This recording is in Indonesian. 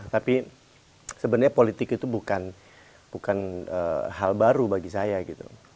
tapi sebenarnya politik itu bukan hal baru bagi saya gitu